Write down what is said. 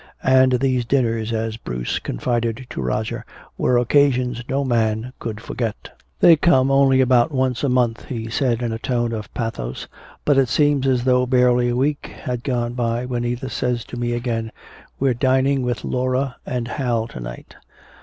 And these dinners, as Bruce confided to Roger, were occasions no man could forget. "They come only about once a month," he said in a tone of pathos, "but it seems as though barely a week had gone by when Edith says to me again, 'We're dining with Laura and Hal to night.'